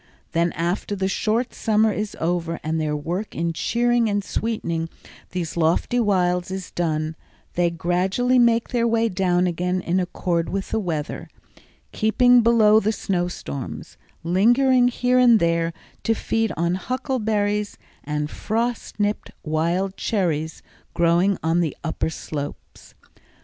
Then, after the short summer is over, and their work in cheering and sweetening these lofty wilds is done, they gradually make their way down again in accord with the weather, keeping below the snow storms, lingering here and there to feed on huckleberries and frost nipped wild cherries growing on the upper slopes.